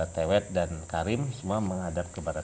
tewet dan karim semua menghadap ke barat